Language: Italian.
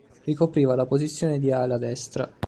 Ricopriva la posizione di ala destra.